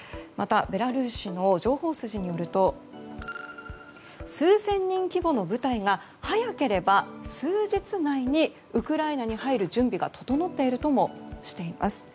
また、ベラルーシの情報筋によると数千人規模の部隊が早ければ数日内にウクライナに入る準備が整っているともしています。